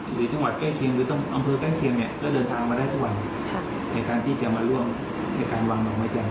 หรือจังหวัดใกล้เคียงหรืออำเภอใกล้เคียง